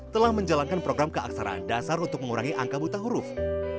telah menjalankan program keaksaraan dasar untuk mengurangkan kegiatan penyelenggaraan